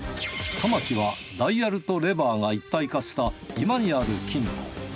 玉置はダイヤルとレバーが一体化した居間にある金庫を。